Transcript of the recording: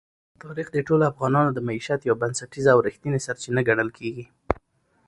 تاریخ د ټولو افغانانو د معیشت یوه بنسټیزه او رښتینې سرچینه ګڼل کېږي.